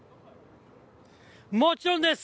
もちろんです。